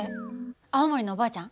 青森のおばあちゃん？